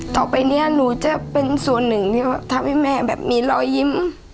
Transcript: ต่อไปนี้หนูจะเป็นส่วนหนึ่งที่ทำให้แม่แบบมีรอยยิ้ม